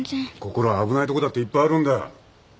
ここらは危ないとこだっていっぱいあるんだ。